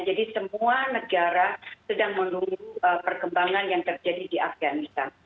jadi semua negara sedang menunggu perkembangan yang terjadi di afghanistan